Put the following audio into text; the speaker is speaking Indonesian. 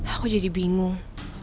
aku jadi bingung